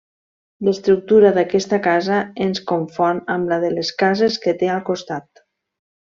L'estructura d'aquesta casa ens confon amb la de les cases que té al costat.